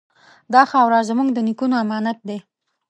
دا خاوره زموږ د نیکونو امانت دی.